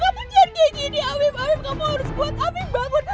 afif kamu jangan kayak gini afif afif kamu harus kuat afif bangun